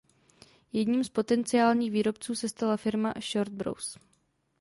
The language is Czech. Jedním z potenciálních výrobců se stala firma Short Bros.